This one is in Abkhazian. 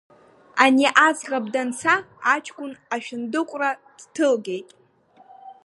Ани аӡӷаб данца, аҷкәын ашәындыҟәра дҭылгеит.